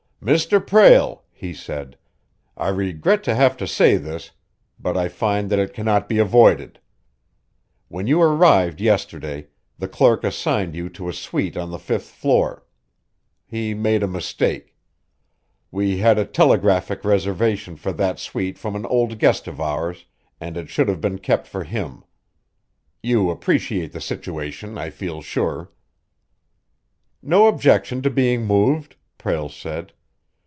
"Mr. Prale," he said, "I regret to have to say this, but I find that it cannot be avoided. When you arrived yesterday, the clerk assigned you to a suite on the fifth floor. He made a mistake. We had a telegraphic reservation for that suite from an old guest of ours, and it should have been kept for him. You appreciate the situation, I feel sure." "No objection to being moved," Prale said.